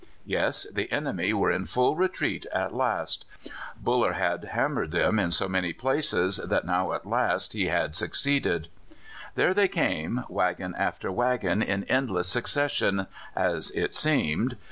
Yes, the enemy were in full retreat at last; Buller had hammered them in so many places, and now at last he had succeeded. There they came, waggon after waggon, in endless succession, as it seemed.